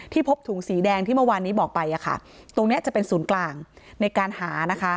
พบถุงสีแดงที่เมื่อวานนี้บอกไปตรงเนี้ยจะเป็นศูนย์กลางในการหานะคะ